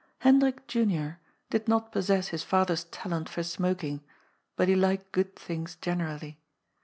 Hendrik Junior did not possess his father's talent for smoking, but he liked good things generally.